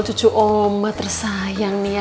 cucu omba tersayang nih ya